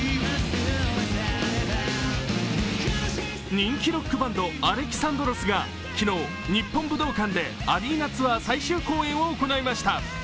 人気ロックバンド［Ａｌｅｘａｎｄｒｏｓ］が昨日、日本武道館でアリーナツアー最終公演を行いました。